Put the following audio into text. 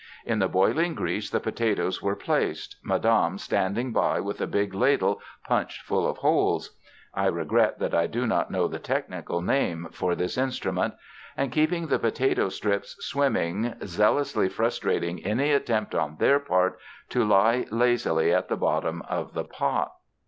In the boiling grease the potatoes were placed, Madame standing by with a big ladle punched full of holes (I regret that I do not know the technical name for this instrument) and keeping the potato strips swimming, zealously frustrating any attempt on their part to lie lazily at the bottom of the pot.